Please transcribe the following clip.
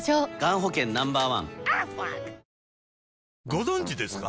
ご存知ですか？